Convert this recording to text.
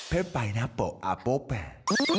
เป็นไพรนัปเบิ้ลอัปโฟแปน